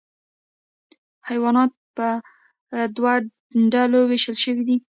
حیوانات په دوه ډلو ویشل شوي دي